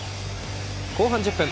後半１０分。